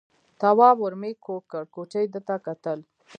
تواب ور مېږ کوږ کړ، کوچي ده ته کتل.